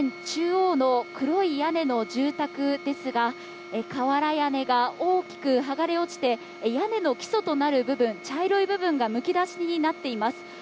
中央の黒い屋根の住宅ですが、瓦屋根が大きく剥がれ落ちて屋根の基礎となる部分、茶色い部分がむき出しになっています。